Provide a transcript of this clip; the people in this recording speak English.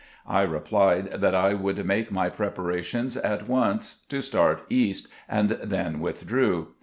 I replied that I would make my preparations at once to start East, and then withdrew.